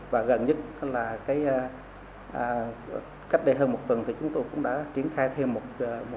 và gần nhất cách đây hơn một tuần chúng tôi cũng đã triển khai thêm một đợt chiến dịch nữa